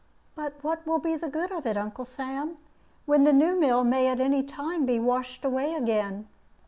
"But what will be the good of it, Uncle Sam, when the new mill may at any time be washed away again?"